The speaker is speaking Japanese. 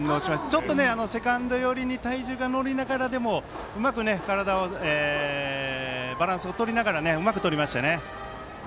ちょっとセカンド寄りに体重が乗りながらでもうまく体のバランスをとりながらうまくとりましたよね。